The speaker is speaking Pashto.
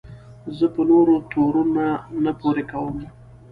زه په نورو تورونه نه پورې کوم.